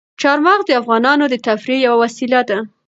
چار مغز د افغانانو د تفریح یوه وسیله ده.